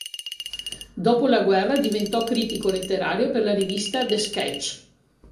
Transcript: Dopo la guerra, diventò critico letterario per la rivista "The Sketch".